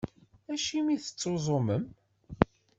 Acimi i tettuẓumem?